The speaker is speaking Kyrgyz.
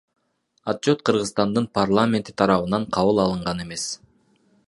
Отчет Кыргызстандын парламенти тарабынан кабыл алынган эмес.